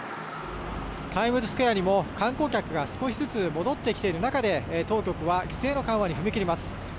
タイムズスクエアにも観光客が少しずつ戻ってきている中で当局は規制の緩和に踏み切ります。